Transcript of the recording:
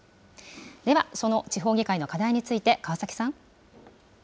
では、その地方議会の課題について、川崎さん。